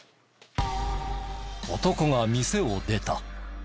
男が店を出た。